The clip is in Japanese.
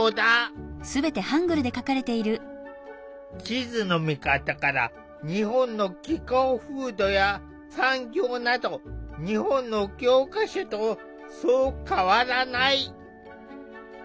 地図の見方から日本の気候風土や産業など日本の教科書とそう変わらない。